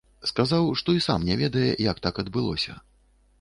Сказаў, што і сам не ведае, як так адбылося.